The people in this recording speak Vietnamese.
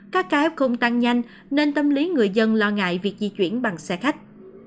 các cáp không tăng nhanh nên tâm lý người dân lo ngại việc di chuyển bằng xe khách